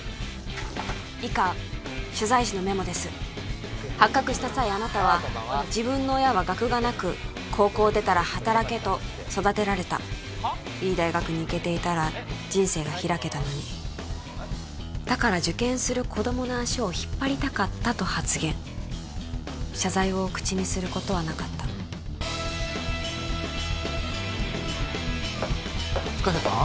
以下取材時のメモです発覚した際あなたは自分の親は学がなく高校を出たら働けと育てられたいい大学に行けていたら人生が開けたのにだから受験する子供の足を引っ張りたかったと発言謝罪を口にすることはなかった深瀬さん？